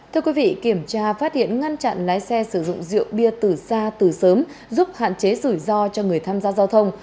thưa quý vị kiểm tra phát hiện ngăn chặn lái xe sử dụng rượu bia từ xa từ sớm giúp hạn chế rủi ro cho người tham gia giao thông